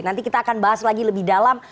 nanti kita akan bahas lagi lebih dalam